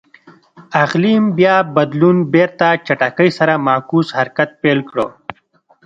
اقلیم بیا بدلون بېرته چټکۍ سره معکوس حرکت پیل کړ.